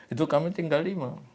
itu kami tinggal lima